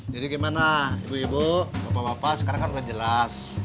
jadi gimana ibu ibu bapak bapak sekarang kan udah jelas